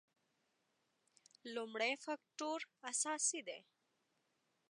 لومړی فکټور اساسي دی.